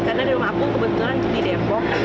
karena di rumah aku kebetulan jadi depok